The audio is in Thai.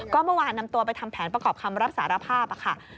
ก็เมื่อวานนำตัวไปทำแผนประกอบคำรับสารภาพค่ะ